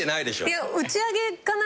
いや打ち上げか何か。